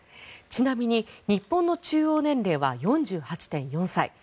ちなみに日本の中央年齢は４８．４歳。